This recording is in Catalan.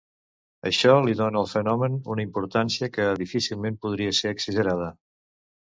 Això li dóna al fenomen una importància que difícilment podria ser exagerada.